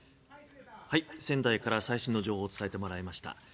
仙台から最新の情報を伝えてもらいました。